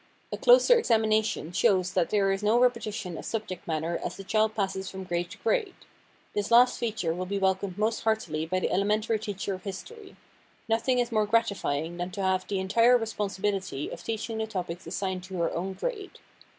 A closer examination shows that there is no repetition of subject matter as the child passes from grade to grade. This last feature will be welcomed most heartily by the elementary teacher of history. Nothing is more gratifying than to have the entire responsibility of teaching the topics assigned to her own grade.